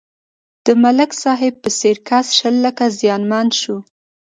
د ملک صاحب په څېر کس شل لکه زیانمن شو.